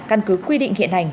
căn cứ quy định hiện hành